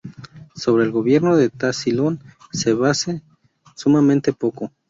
Sobre el gobierno de Tasilón se base sumamente poco.